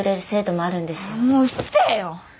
ああもううっせえよ！